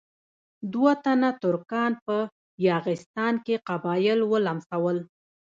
دوه تنه ترکان په یاغستان کې قبایل ولمسول.